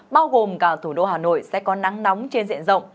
bao gồm cả thủ đô hà nội sẽ có nắng nóng trên diện rộng